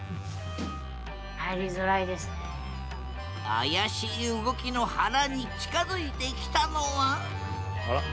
怪しい動きのはらに近づいてきたのはあら？